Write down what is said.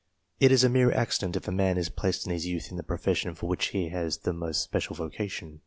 It is a mere accident if a man is placed in his youth in the profession for which he has the most special vocation.